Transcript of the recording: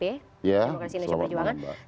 ya selamat malam